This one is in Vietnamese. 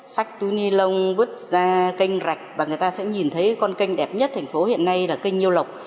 sách túi ni lông vứt ra canh rạch và người ta sẽ nhìn thấy con canh đẹp nhất thành phố hiện nay là kênh nhiêu lộc